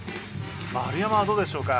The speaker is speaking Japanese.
丸山はどうでしょうか？